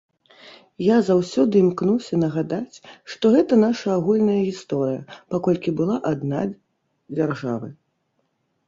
Я заўсёды імкнуся нагадаць, што гэта наша агульная гісторыя, паколькі была адна дзяржавы.